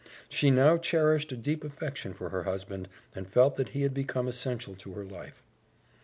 She now cherished a deep affection for her husband and felt that he had become essential to her life.